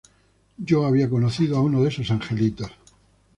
Yo había conocido a uno de esos angelitos.